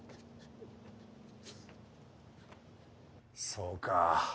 そうか。